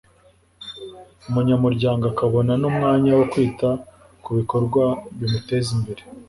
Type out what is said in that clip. umunyamuryango akabona n'umwanya wo kwita ku bikorwa bimuteza imbere